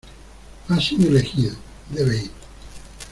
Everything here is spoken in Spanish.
Ha sido elegido. Debe ir .